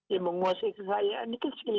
yang menguasai kekayaan ini kan tidak ada